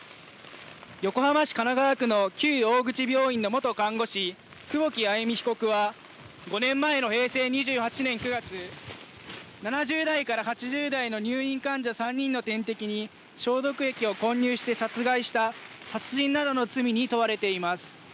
横浜市神奈川区の旧大口病院の元看護師、久保木愛弓被告は５年前の平成２８年９月、７０代から８０代の入院患者３人の点滴に消毒液を混入して殺害した殺人などの罪に問われています。